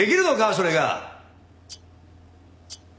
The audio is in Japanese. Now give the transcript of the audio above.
それが。